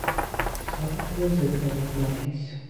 ساعت ضد مغناطیس